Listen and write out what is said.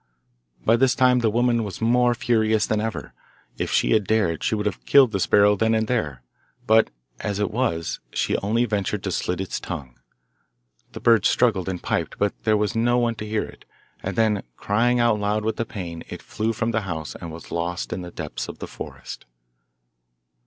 By this time the woman was more furious than ever. If she had dared, she would have killed the sparrow then and there, but as it was she only ventured to slit its tongue. The bird struggled and piped, but there was no one to hear it, and then, crying out loud with the pain, it flew from the house and was lost in the depths of the forest.